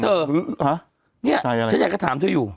เธอเนี่ยฉันอยากจะถามเธออยู่